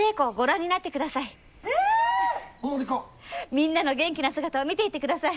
みんなの元気な姿を見ていってください。